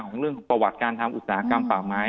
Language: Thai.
เรื่องประวัติการทำอุตสาหกรรมป่าไม้